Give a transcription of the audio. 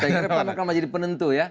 pemimpin pan akan menjadi penentu ya